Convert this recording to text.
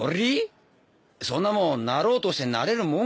そんなモンなろうとしてなれるもんか？